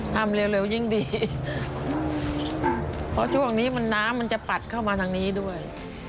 ทำเร็วยิ่งดีเพราะช่วงนี้มันน้ำมันจะปัดเข้ามาทางนี้ด้วย